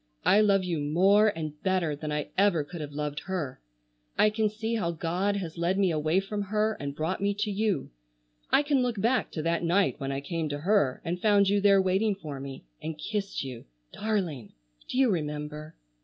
I love you more and better than I ever could have loved her. I can see how God has led me away from her and brought me to you. I can look back to that night when I came to her and found you there waiting for me, and kissed you,—darling. Do you remember?"